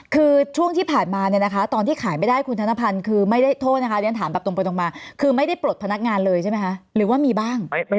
คือช่วงที่ผ่านมาเนี่ยนะคะตอนที่ขายไม่ได้คุณธนพันธ์คือไม่ได้โทษนะคะเรียนถามแบบตรงไปตรงมาคือไม่ได้ปลดพนักงานเลยใช่ไหมคะหรือว่ามีบ้าง